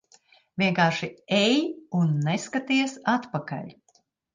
Vienkārši ej un neskaties atpakaļ.